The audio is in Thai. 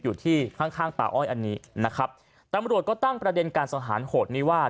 อยู่ที่ข้างข้างป่าอ้อยอันนี้นะครับตำรวจก็ตั้งประเด็นการสังหารโหดนี้ว่า